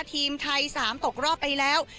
ทีมไทย๓ตกรอบไปแล้ว